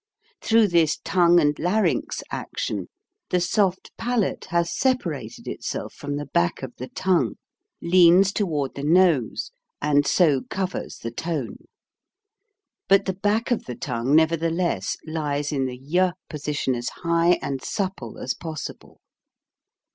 Through this tongue and larynx action the soft palate has separated itself from the back of the tongue, leans toward the nose, and so covers THE ATTACK AND THE VOWELS 77 the tone. But the back of the tongue never theless lies in the y position as high and supple as possible.